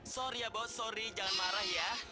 sorry ya bahwa sorry jangan marah ya